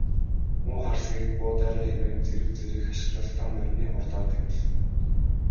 Муу хар сэгийг буудаарай хэмээн зэрэг зэрэг хашхиралдан морины хурдаар давхилдана.